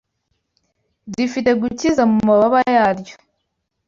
rifite gukiza mu mababa yaryo